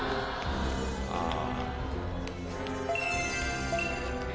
ああ。